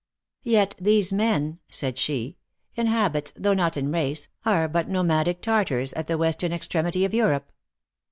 " Yet these men," said she, " in habits, though not in race, are but nomadic Tartars at the western ex tremity of Europe."